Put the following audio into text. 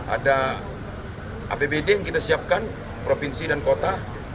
ada apbd yang kita siapkan provinsi dan kota